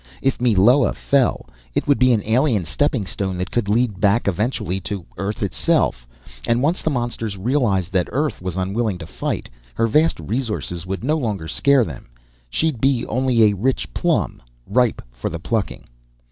If Meloa fell, it would be an alien stepping stone that could lead back eventually to Earth itself. And once the monsters realized that Earth was unwilling to fight, her vast resources would no longer scare them she'd be only a rich plum, ripe for the plucking.